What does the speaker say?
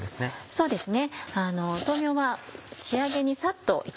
そうですね。